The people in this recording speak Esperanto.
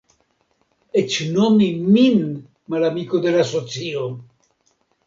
Eĉ nomi min malamiko de la socio!